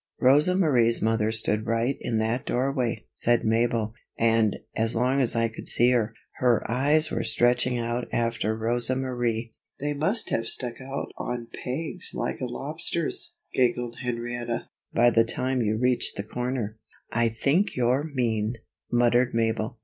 "Rosa Marie's mother stood right in that doorway," said Mabel, "and, as long as I could see her, her eyes were stretching out after Rosa Marie." "They must have stuck out on pegs like a lobster's," giggled Henrietta, "by the time you reached the corner." "I think you're mean," muttered Mabel.